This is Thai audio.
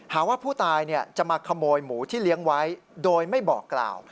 หาว่าผู้ตายจะมาขโมยหมูที่เลี้ยงไว้โดยไม่บอกกล่าว